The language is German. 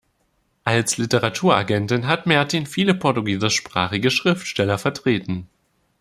Als Literaturagentin hat Mertin viele portugiesischsprachige Schriftsteller vertreten.